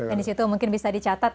dan disitu mungkin bisa dicatat